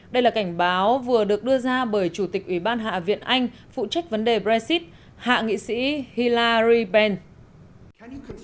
đây là cảnh báo vừa được đưa ra bởi chủ tịch ủy ban hạ viện anh phụ trách vấn đề brexit hạ nghị sĩ hila riben